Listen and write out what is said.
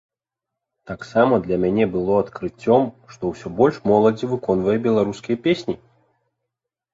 Таксама для мяне было адкрыццём, што ўсё больш моладзі выконвае беларускія песні.